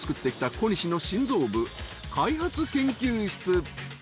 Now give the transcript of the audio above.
コニシの心臓部開発研究室